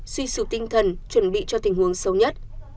suy sụp tinh thần chuẩn bị cho tình huống xấu nhất